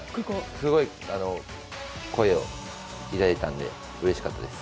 すごい声をいただいたのでうれしかったです。